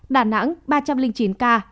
đà nẵng ba trăm linh chín ca